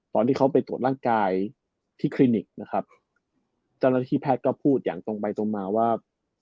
ตอนที่เขาไปตรวจร่างกายที่คลินิกนะครับเจ้าหน้าที่แพทย์ก็พูดอย่างตรงไปตรงมาว่า